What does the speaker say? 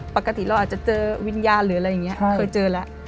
ปกติเราอาจจะเจอวิญญาณหรืออะไรอย่างนี้เคยเจอแล้ว